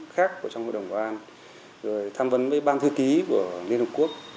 các nước khác trong hội đồng bảo an tham vấn với ban thư ký của liên hợp quốc